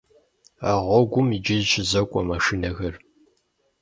А гъуэгум иджыри щызокӏуэ машинэхэр.